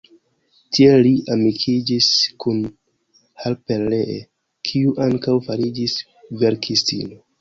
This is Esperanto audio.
Tie li amikiĝis kun Harper Lee, kiu ankaŭ fariĝis verkistino.